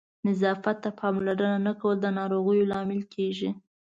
نظافت ته پاملرنه نه کول د ناروغیو لامل کېږي.